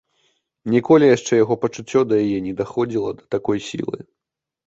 Ніколі яшчэ яго пачуццё да яе не даходзіла да такой сілы.